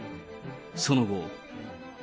その後。